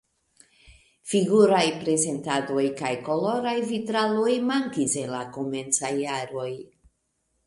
Figuraj prezentadoj kaj koloraj vitraloj mankis en la komencaj jaroj.